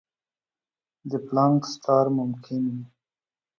د پلانک سټار ممکن وي.